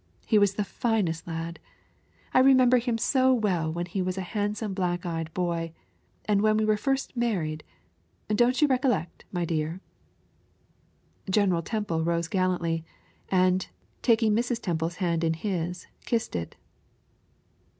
He was the finest lad I remember him so well when he was a handsome black eyed boy; and when we were first married don't you recollect, my dear?" General Temple rose gallantly, and, taking Mrs. Temple's hand in his, kissed it.